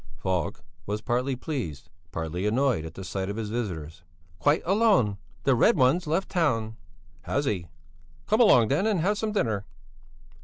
Falk was partly pleased, partly annoyed at the sight of his visitors. "Quite alone; the Red One's left town." "Has he? Come along then and have some dinner."